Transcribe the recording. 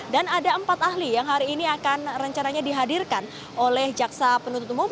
dan ada empat ahli yang hari ini akan rencananya dihadirkan oleh jaksa penutup umum